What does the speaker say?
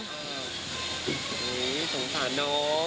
โอหี่สงสารน้อง